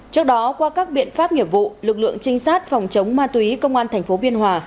trước đó qua các biện pháp nghiệp vụ lực lượng trinh sát phòng chống ma túy công an tp biên hòa